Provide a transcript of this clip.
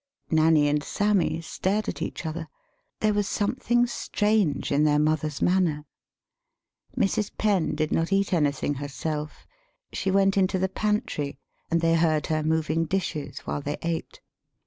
"] Nanny and Sammy stared at each other. There was something strange in their mother's , manner. Mrs. Penn [did not eat anything her self. She] went into the pantry, and they heard 171 THE SPEAKING VOICE her moving dishes while they ate.